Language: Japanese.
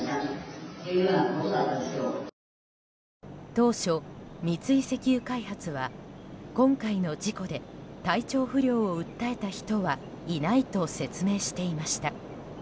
当初、三井石油開発は今回の事故で体調不良を訴えた人はいないと説明していました。